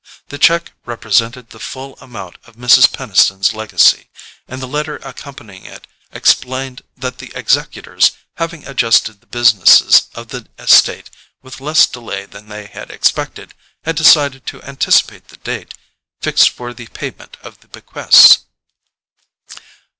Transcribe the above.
The cheque represented the full amount of Mrs. Peniston's legacy, and the letter accompanying it explained that the executors, having adjusted the business of the estate with less delay than they had expected, had decided to anticipate the date fixed for the payment of the bequests.